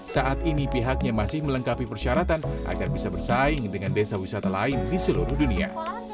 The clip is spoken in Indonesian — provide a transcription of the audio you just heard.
saat ini pihaknya masih melengkapi persyaratan agar bisa bersaing dengan desa wisata lain di seluruh dunia